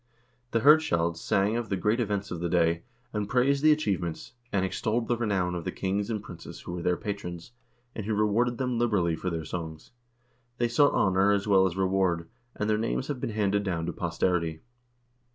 The hirdscalds sang of the great events of the day, and praised the achievements, and extolled the renown of the kings and princes who were their patrons, and who rewarded them liberally for their songs. They sought honor as well as reward, and their names have been handed down to posterity.